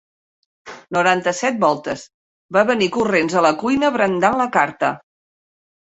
Noranta-set voltes, va venir corrents a la cuina brandant la carta.